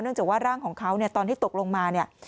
จากว่าร่างของเขาเนี่ยตอนที่ตกลงมาเนี่ย